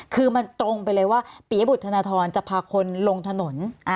คือมันตรงไปเลยว่าปียบุตรธนทรจะพาคนลงถนน